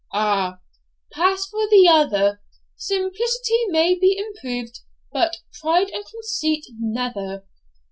'Ah, pass for the other; simplicity may be improved, but pride and conceit never.